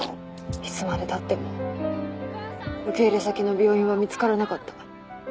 いつまでたっても受け入れ先の病院は見つからなかった。